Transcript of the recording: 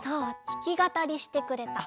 ひきがたりしてくれた。